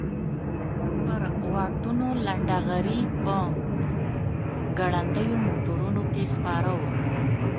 پر واټونو لنډه غري په ګړندیو موټرونو کې سپاره وو.